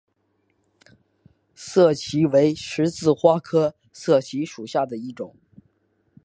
涩荠为十字花科涩荠属下的一个种。